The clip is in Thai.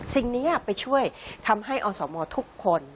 สิ่งนี้ไปช่วยทำให้อสมทุกคน